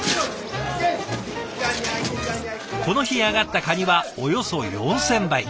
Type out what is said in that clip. この日揚がったカニはおよそ４，０００杯。